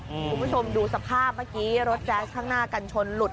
คุณผู้ชมดูสภาพเมื่อกี้รถแจ๊สข้างหน้ากันชนหลุด